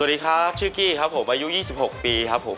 สวัสดีครับชื่อกี้ครับผมอายุ๒๖ปีครับผม